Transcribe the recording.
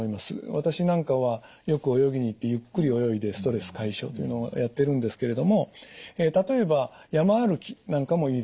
私なんかはよく泳ぎに行ってゆっくり泳いでストレス解消というのをやってるんですけれども例えば山歩きなんかもいいですね。